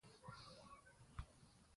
غرونه د افغانستان د اقلیم ځانګړتیا ده.